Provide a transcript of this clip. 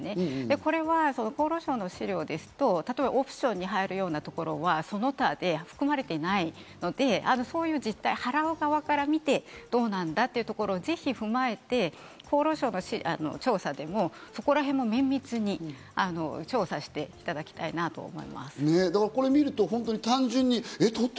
これは厚労省の資料ですと、例えばオプションに入るようなところは、その他で含まれていないので、そういった実態、払う側から見てどうなんだっていうところをぜひ踏まえて厚労省が調査でもそこらへんも綿密に調査していただきたいなと思います。